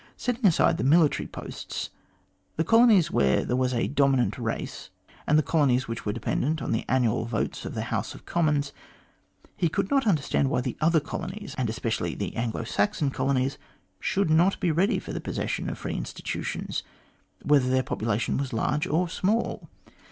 Setting aside the military posts, the colonies where there was a dominant race, and the colonies which were dependent upon the annual votes of the House of Commons, he could not understand why the other colonies, and especially the Anglo Saxon colonies, should not be ready for the possession of free institutions, whether their population was large or small.